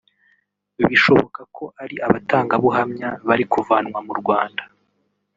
bishoboka ko ari abatangabuhamya […] bari kuvanwa mu Rwanda